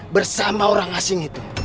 bersama orang asing itu